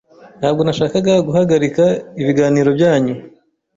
Ntabwo nashakaga guhagarika ibiganiro byanyu.